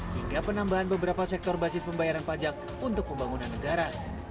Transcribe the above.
hingga penambahan beberapa sektor basis pembayaran pajak untuk pembangunan negara